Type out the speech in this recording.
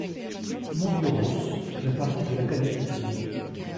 Montdurausse fait partie de l'académie de Toulouse.